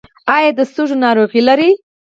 ایا د سږو ناروغي لرئ؟